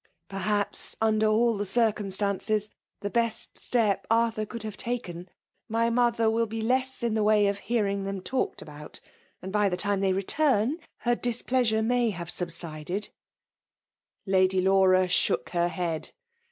—'' Ferfaaps, under all the dicnmBtaiicea, tke beat step Arthur could hare taken. My nother wSi be less in the way of hearing then talked about; and by the time they retim^ her displeasure may have subsided/' Lady Laura shook her head.